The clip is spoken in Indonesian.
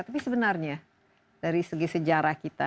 tapi sebenarnya dari segi sejarah kita